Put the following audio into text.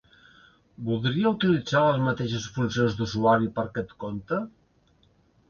Voldria utilitzar les mateixes funcions d'usuari per aquest compte?